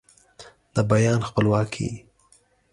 د بیان خپلواکي